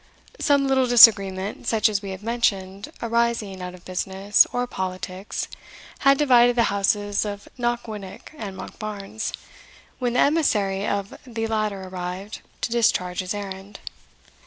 Some little disagreement, such as we have mentioned, arising out of business, or politics, had divided the houses of Knockwinnock and Monkbarns, when the emissary of the latter arrived to discharge his errand.